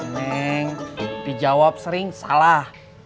neng dijawab sering salah